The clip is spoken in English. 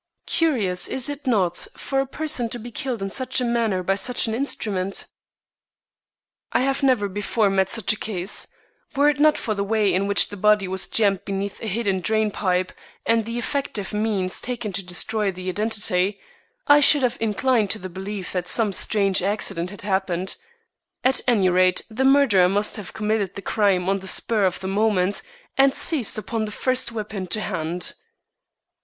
"Curious, is it not, for a person to be killed in such a manner by such an instrument?" "I have never before met such a case. Were it not for the way in which the body was jammed beneath a hidden drain pipe, and the effective means taken to destroy the identity, I should have inclined to the belief that some strange accident had happened. At any rate, the murderer must have committed the crime on the spur of the moment, and seized upon the first weapon to hand."